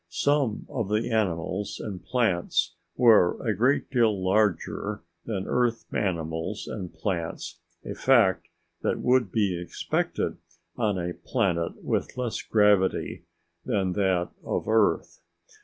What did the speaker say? Some of the animals and plants were a great deal larger than Earth animals and plants, a fact that would be expected on a planet with less gravity than that of Earth.